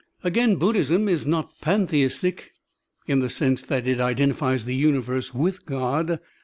Again, Buddhism is not pantheistic in the sense that it identifies the universe with God.